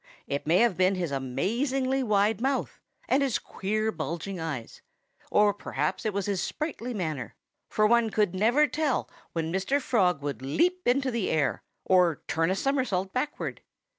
It may have been his amazingly wide mouth and his queer, bulging eyes, or perhaps it was his sprightly manner for one never could tell when Mr. Frog would leap into the air, or turn a somersault backward.